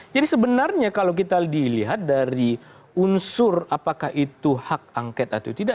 jadi sebenarnya kalau kita dilihat dari unsur apakah itu hak angket atau tidak